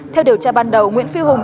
theo điều tra ban đầu nguyễn phi hùng